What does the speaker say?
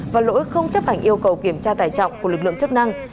và lỗi không chấp hành yêu cầu kiểm tra tải trọng của lực lượng chức năng